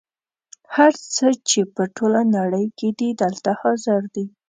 هر څه چې په ټوله نړۍ کې دي دلته حاضر دي.